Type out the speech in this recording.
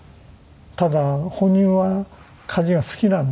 ただ本人は家事が好きなんですね。